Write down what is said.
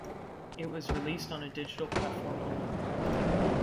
It was released on a digital platform only.